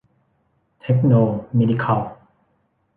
เทคโนเมดิคัล